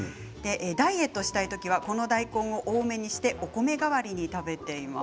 ダイエットしたい時はこの大根を多めにしてお米代わりに食べています。